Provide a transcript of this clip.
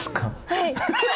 はい。